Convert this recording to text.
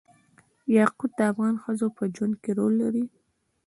یاقوت د افغان ښځو په ژوند کې رول لري.